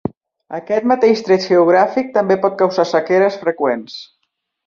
Aquest mateix tret geogràfic també pot causar sequeres freqüents.